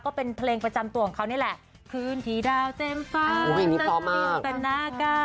ก็เป็นเพลงประจำตัวของเขานี่แหละ